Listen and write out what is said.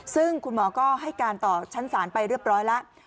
ซึ่งคุณหมอก็ให้การต่อชั้นศาลไปเรียบร้อยแล้ว